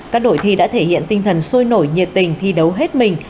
các đội thi đã thể hiện tinh thần sôi nổi nhiệt tình thi đấu hết mình